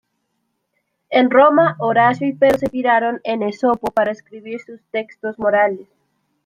En Roma, Horacio y Fedro se inspiraron en Esopo para escribir sus textos morales.